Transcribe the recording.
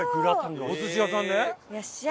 お寿司屋さんで？